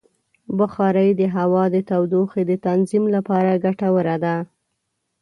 بخاري د هوا د تودوخې د تنظیم لپاره ګټوره ده.